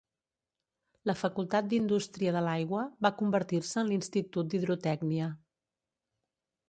La facultat d'indústria de l'aigua va convertir-se en l'Institut d'Hidrotècnia.